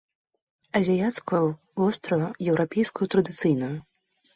Азіяцкую, вострую, еўрапейскую традыцыйную.